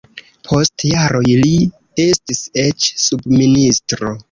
Post jaroj li estis eĉ subministro.